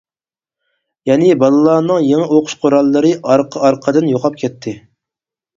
يەنى بالىلارنىڭ يېڭى ئوقۇش قوراللىرى ئارقا ئارقىدىن يوقاپ كەتتى.